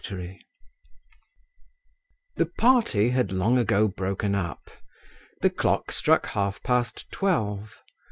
FIRST LOVE The party had long ago broken up. The clock struck half past twelve.